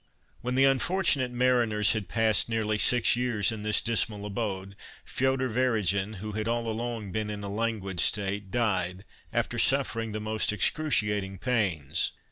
When the unfortunate mariners had passed nearly six years in this dismal abode, Feoder Weregin, who had all along been in a languid state, died, after suffering the most excruciating pains.